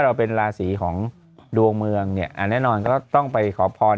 เราเป็นราศีของดวงเมืองเนี่ยแน่นอนก็ต้องไปขอพร